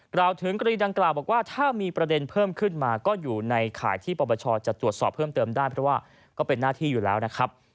กล่าวถึงกรณีดังกล่าวบอกว่าถ้ามีประเด็นเพิ่มขึ้นมาก็อยู่ในข่ายที่ปปชจะตรวจสอบเพิ่มเติมได้เพราะว่าก็เป็นหน้าที่อยู่แล้วนะครับ